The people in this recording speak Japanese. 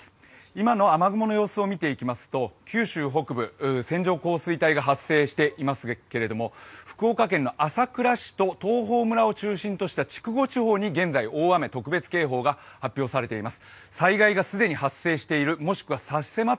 今の雨雲の様子を見ていきますと九州北部、線状降水帯が発生していますけれども福岡県の朝倉市と東峰村を中心とした筑後地方に現在大雨特別警報が発表されています。